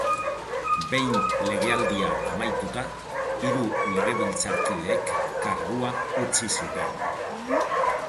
Behin legealdia amaituta, hiru legebiltzarkideek kargua utzi zuten.